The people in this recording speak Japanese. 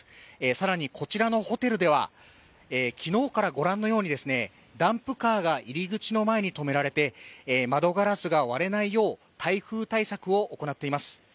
更にこちらのホテルでは昨日から、ご覧のようにダンプカーが入り口の前に止められて、窓ガラスが割れないよう台風対策を行っています。